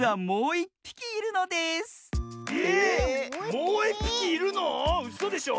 もういっぴきいるの⁉うそでしょ。